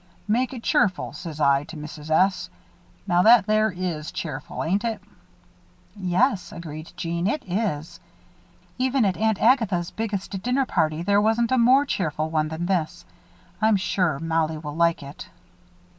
'Make it cheerful,' says I, to Mrs. S. Now that there is cheerful, ain't it?" "Yes," agreed Jeanne, "it is. Even at Aunt Agatha's biggest dinner party there wasn't a more cheerful one than this. I'm sure Mollie will like it."